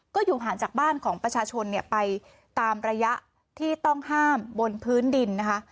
ก็อยู่ห่างจากบ้านของประชาชนไปตามระยะที่ต้องห้ามบนพื้นดินนะคะ